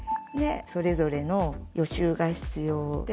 それぞれの予習が必要で。